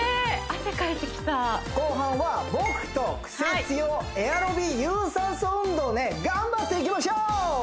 汗かいてきた後半は僕とクセ強エアロビ有酸素運動をね頑張っていきましょう！